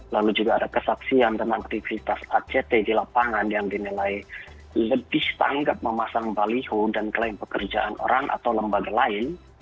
lalu juga ada kesaksian tentang aktivitas act di lapangan yang dinilai lebih tanggap memasang baliho dan klaim pekerjaan orang atau lembaga lain